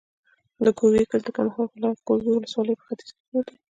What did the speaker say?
د ګورکي کلی د کندهار ولایت، ګورکي ولسوالي په ختیځ کې پروت دی.